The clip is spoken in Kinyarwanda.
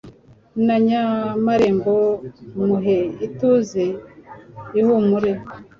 na Nyamarembo muhe ituze ihumure